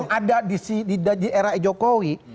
kejadian yang ada di era jokowi